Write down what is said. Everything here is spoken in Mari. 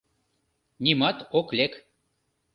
— Нимат ок лек.